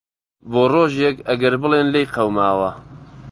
بۆ رۆژێک ئەگەر بڵێن لیێ قەوماوە.